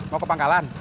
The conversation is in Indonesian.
mau ke pangkalan